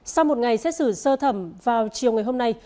sau một ngày xét xử sơ thẩm vào chiều ngày hôm nay